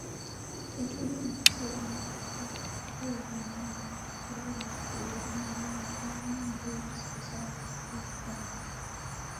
Tetugenda kusibamu okukola kwoyo yenna aleeta obuvuyo n'okutulugunya abantu abalina endowooza ezawuka ku zaabwe.